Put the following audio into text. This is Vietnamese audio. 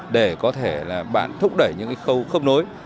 để có thể bạn thúc đẩy những khâu khớp nối